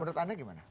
menurut anda gimana